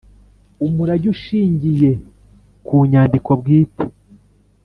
umurage ushingiye ku nyandiko bwite